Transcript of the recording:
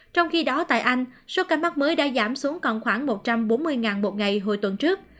trong khi đó tại anh số ca mắc mới đã giảm xuống còn khoảng một trăm bốn mươi một ngày hồi tuần trước